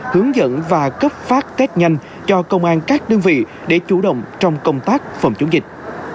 hướng dẫn và cấp phát tết nhanh cho công an các đơn vị để chủ động trong công tác phòng chống dịch